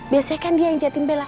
biasanya kan dia yang jahatin bella